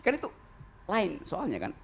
kan itu lain soalnya kan